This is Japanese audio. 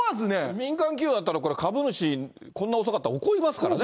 民間企業だったら、これ、株主、こんな遅かったら、怒りますからね。